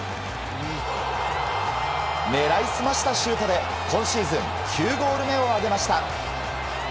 狙い澄ましたシュートで今シーズン９ゴール目を挙げました。